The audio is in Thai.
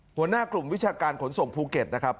หัวหน้ากลุ่มวิชาการขนส่งภูเก็ตนะครับ